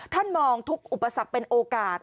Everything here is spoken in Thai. ท่านมองทุกอุปสรรคเป็นโอกาส